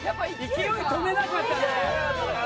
勢い止めなかったね。